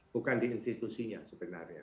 bukan di institusinya sebenarnya